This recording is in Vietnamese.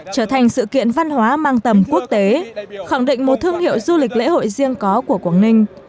trở thành sự kiện văn hóa mang tầm quốc tế khẳng định một thương hiệu du lịch lễ hội riêng có của quảng ninh